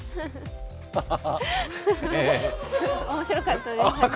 面白かったです。